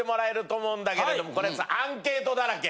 アンケートだらけ！